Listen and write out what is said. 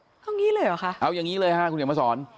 เอาอย่างงี้เลยเหรอคะเอาอย่างงี้เลยฮะคุณเฮียมพระสอน